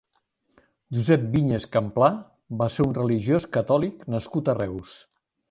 Josep Vinyes Camplà va ser un religiós catòlic nascut a Reus.